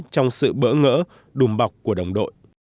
trong sự bỡ ngỡ đùm bọc của đồng đội